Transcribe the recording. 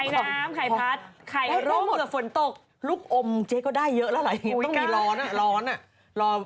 ต้องมีร้อนร้อน